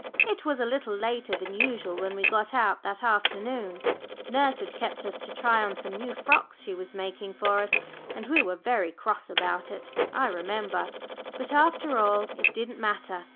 It was a little later than usual when we got out that afternoon. Nurse had kept us to try on some new frocks she was making for us, and we were very cross about it, I remember. But after all, it didn't matter.